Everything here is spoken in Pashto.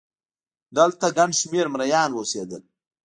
دلته ګڼ شمېر مریان اوسېدل.